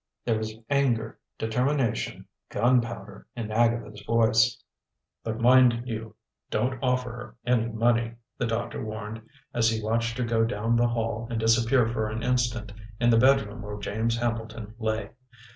There was anger, determination, gunpowder in Agatha's voice. "But mind you, don't offer her any money," the doctor warned, as he watched her go down the hall and disappear for an instant in the bedroom where James Hambleton lay.